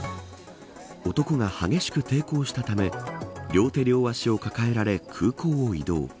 男が、激しく抵抗したため両手両足を抱えられ空港を移動。